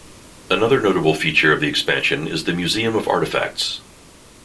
Another notable feature of the expansion is the Museum of Artifacts.